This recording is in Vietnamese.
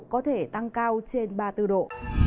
có thể tăng cao trên ba mươi bốn độ